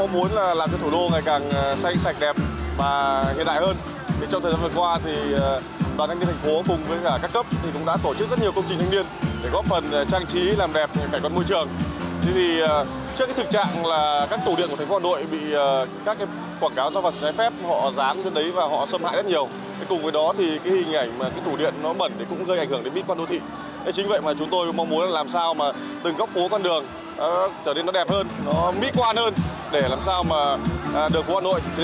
bến trãi trần phú